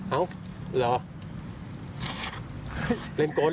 เอ้าเหรอ